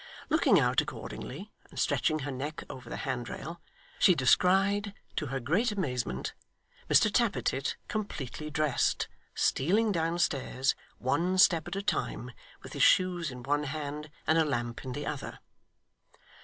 Looking out accordingly, and stretching her neck over the handrail, she descried, to her great amazement, Mr Tappertit completely dressed, stealing downstairs, one step at a time, with his shoes in one hand and a lamp in the other.